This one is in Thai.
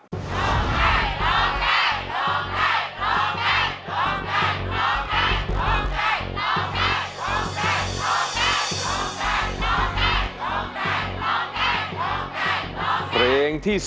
ร้องได้ร้องได้ร้องได้ร้องได้